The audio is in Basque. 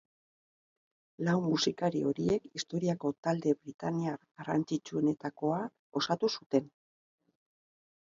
Lau musikari horiek historiako talde britaniar garrantzitsuenetakoa osatu zuten.